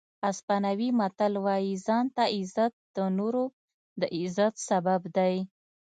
اسپانوي متل وایي ځان ته عزت د نورو د عزت سبب دی.